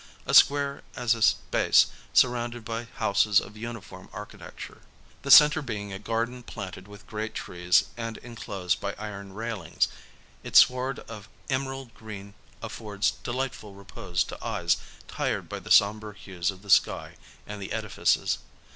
A square ,as a space surrounded by houses of uniform archi tecture, 'the centre being a garden planted with great trees and enclosed by iron railings. Its sward of emerald green affords delightful repose to eyes tired by the sombre hues of the sky and the edifices.